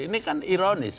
ini kan ironis